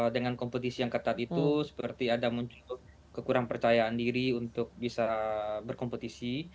dengan kompetisi yang ketat itu seperti ada muncul kekurang percayaan diri untuk bisa berkompetisi